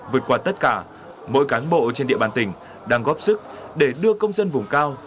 vượt qua tất cả mỗi cán bộ trên địa bàn tỉnh đang góp sức để đưa công dân vùng cao